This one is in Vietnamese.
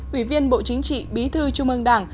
ủy viên bộ chính trị bí thư trung ương đảng